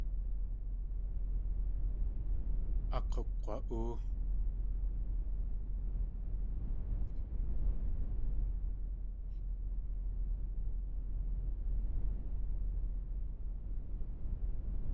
Áa k̲ukg̲wa.óo.